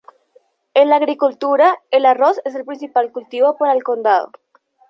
En la agricultura, el arroz es el principal cultivo para el condado.